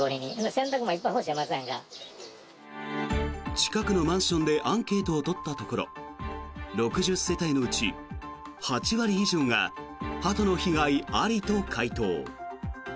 近くのマンションでアンケートを取ったところ６０世帯のうち８割以上がハトの被害ありと回答。